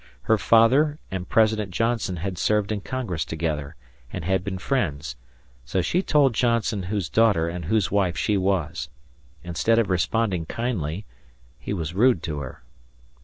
Her father and President Johnson had served in Congress together, and had been friends; so she told Johnson whose daughter and whose wife she was. Instead of responding kindly, he was rude to her.